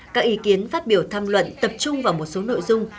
các ý kiến phát biểu tham luận tập trung vào một số nội dung